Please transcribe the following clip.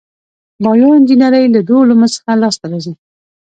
بایو انجنیری له دوو علومو څخه لاس ته راځي.